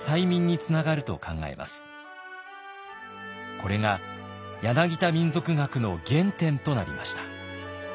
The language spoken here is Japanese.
これが柳田民俗学の原点となりました。